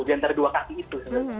di antara dua kaki itu